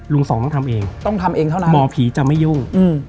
ลุงสองต้องทำเองหมอผีจะไม่ยุ่ง